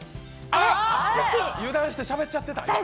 油断してしゃべっちゃってた。